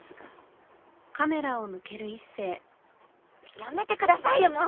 やめてくださいよもう！